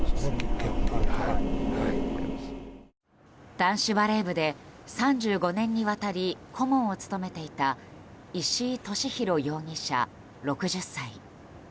男子バレー部で３５年にわたり顧問を務めていた石井利広容疑者、６０歳。